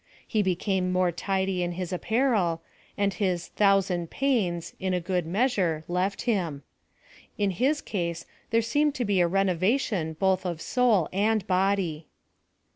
He became more tidy in his apparel, and his ' thousand pains/ in a good measure, left him. In his case, there seemed to be a renovation both of soul and body.